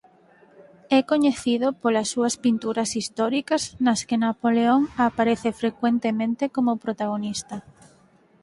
É coñecido polas súas pinturas históricas nas que Napoleón aparece frecuentemente como protagonista.